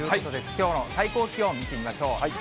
きょうの最高気温見てみましょう。